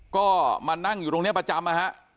ก็มานั่งอยู่ตรงนี้ประจำนะฮะ